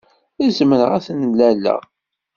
Zemreɣ ad t-nnaleɣ?